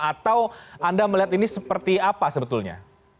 atau anda melihat ini seperti apa sebetulnya